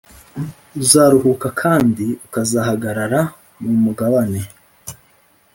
uzaruhuka kandi ukazahagarara mu mugabane